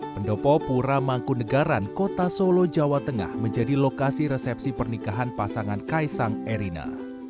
pendopo pura mangkunegaran kota solo jawa tengah menjadi lokasi resepsi pernikahan pasangan kaisang erina